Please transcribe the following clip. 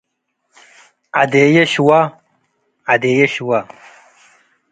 ዐዴዬ ሽዋ፣ ዐዴዬ ሽወ